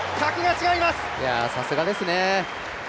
さすがですね。